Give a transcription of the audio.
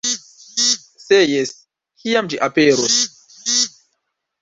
Se jes, kiam ĝi aperos?